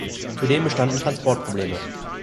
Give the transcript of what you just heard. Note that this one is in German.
Zudem bestanden Transportprobleme.